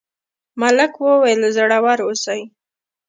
ملک وویل زړور اوسئ.